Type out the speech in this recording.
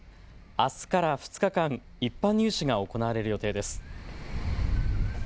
あすから２日間、一般入試が行われる予定です。